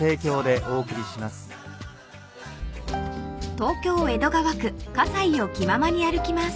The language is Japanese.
［東京江戸川区葛西を気ままに歩きます］